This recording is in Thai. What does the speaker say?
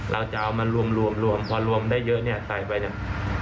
เราจะเอามารวมรวมพอรวมได้เยอะเนี่ยใส่ไปเนี่ย